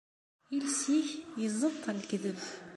Iles-ik iẓeṭṭ lekdeb.